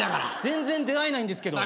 全然出会えないんですけど。